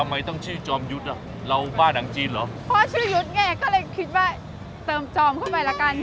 ทำไมต้องชื่อจอมยุทธ์อ่ะเราบ้านหนังจีนเหรอพ่อชื่อยุทธ์ไงก็เลยคิดว่าเติมจอมเข้าไปละกัน